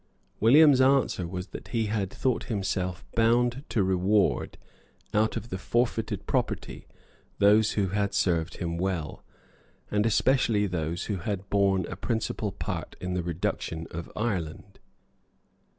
William's answer was that he had thought himself bound to reward out of the forfeited property those who had served him well, and especially those who had borne a principal part in the reduction of Ireland.